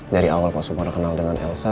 dari awal pak supar kenal dengan elsa